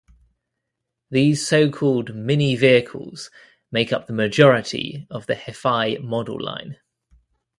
These so-called mini vehicles make up the majority of the Hafei model line.